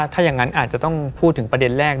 ถ้าอย่างนั้นอาจจะต้องพูดถึงประเด็นแรก